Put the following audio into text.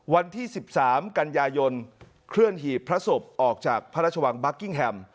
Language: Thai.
วันที่๑๓กันยายนเคลื่อนหีบพระศพออกจากพระราชวังบัคกิ้งแฮม